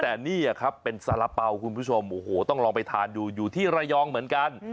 แต่นี่ครับเป็นสาระเป๋าคุณผู้ชมโอ้โหต้องลองไปทานดูอยู่ที่ระยองเหมือนกัน